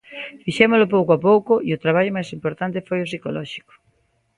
Fixémolo pouco a pouco e o traballo máis importante foi o psicolóxico.